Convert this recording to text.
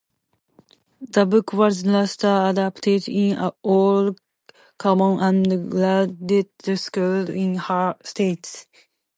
The book was later adopted in all common and graded schools in her state.